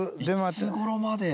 いつごろまで？